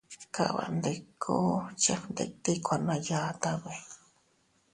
Kabandikku chefgnditiy kuana yatame.